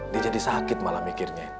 dia jadi sakit malah mikirnya